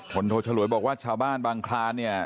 คณะโทษบอกว่าชาวบ้านบังคารเนี่ย